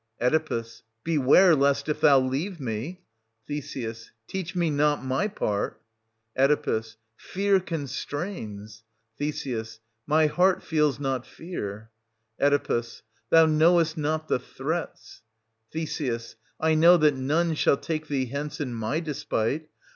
Oe. Beware lest, ii thou leave me — Th. Teach me not my part. Oe. Fear constrains — Th. My heart feels not fear. Oe. Thou knowest not the threats — Th. I know that none shall take thee hence in my despite.